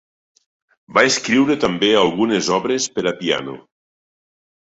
Va escriure també algunes obres per a piano.